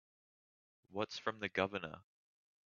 What's from the Governor?